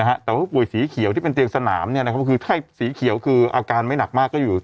แต่ว่าผู้ป่วยสีเขียวที่เป็นเตียงสนามเนี่ยนะครับคือถ้าสีเขียวคืออาการไม่หนักมากก็อยู่